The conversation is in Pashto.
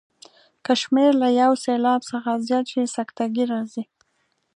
که شمېر له یو سېلاب څخه زیات شي سکته ګي راځي.